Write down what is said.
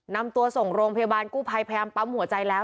นำตัวส่งโรงพยาบาลกู้ภัยพยายามปั๊มหัวใจแล้ว